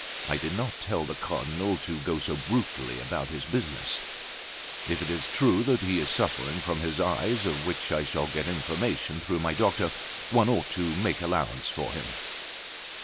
I did not tell the Cardinal to go so brutally about this business. If it is true that he is suffering from his eyes, of which I shall get information through my doctor, one ought to make allowance for him."